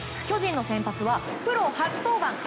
巨人の先発はプロ初登板